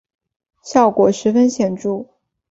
效果十分显著